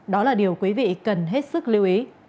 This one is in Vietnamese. đó là điều quý vị cần hết sức lưu ý